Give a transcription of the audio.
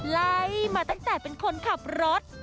ไล่มาตั้งแต่เป็นคนขับรถ